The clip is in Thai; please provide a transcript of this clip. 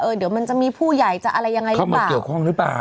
เดี๋ยวมันจะมีผู้ใหญ่จะอะไรยังไงเข้ามาเกี่ยวข้องหรือเปล่า